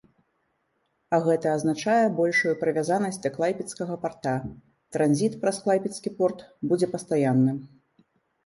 А гэта азначае большую прывязанасць да клайпедскага парта, транзіт праз клайпедскі порт будзе пастаянным.